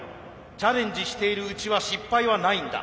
チャレンジしているうちは失敗はないんだ。